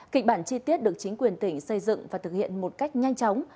kịch bản chi tiết được chính quyền tỉnh xây dựng và thực hiện một cách nhanh chóng